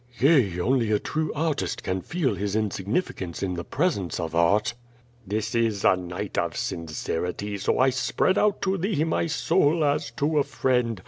"Yea, only a true artist can feel his insignificance in the presence of Art." "This is a night of sincerity, so I spread out to thee my soul as to a friend.